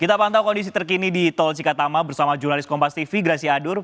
kita pantau kondisi terkini di tol cikatama bersama jurnalis kompas tv grasi adur